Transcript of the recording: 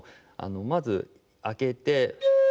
まず開けて。